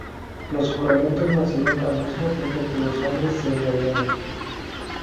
Los juramentos nacieron al mismo tiempo que los hombres se engañaron.